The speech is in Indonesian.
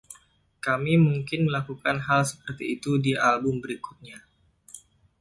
Kami mungkin melakukan hal seperti itu di album berikutnya.